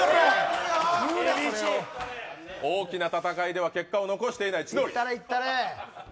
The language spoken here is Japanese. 大きな戦いでは結果を残していない千鳥。